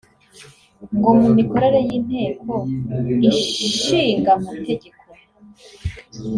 ngo mu mikorere y’Inteko Ishinga Amategeko